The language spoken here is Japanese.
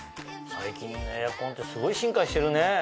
最近のエアコンってすごい進化してるね。